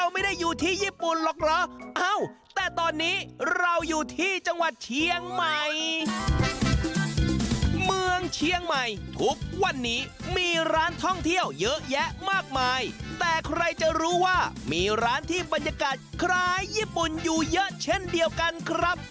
เมืองเชียงใหม่ทุกวันนี้มีร้านท่องเที่ยวเยอะแยะมากมายแต่ใครจะรู้ว่ามีร้านที่บรรยากาศคล้ายญี่ปุ่นอยู่เยอะเช่นเดียวกันครับ